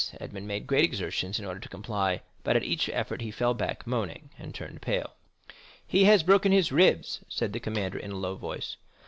Edmond made great exertions in order to comply; but at each effort he fell back, moaning and turning pale. "He has broken his ribs," said the commander, in a low voice.